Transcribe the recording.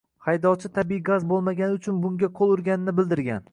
Haydovchi tabiiy gaz bo‘lmagani uchun bunga qo‘l urganini bildirgan